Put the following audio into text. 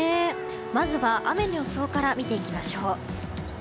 まずは雨の予想から見ていきましょう。